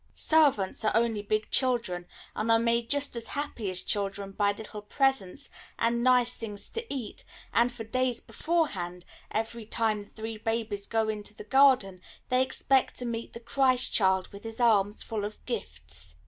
Servants are only big children, and are made just as happy as children by little presents and nice things to eat, and, for days beforehand, every time the three babies go into the garden they expect to meet the Christ Child with His arms full of gifts.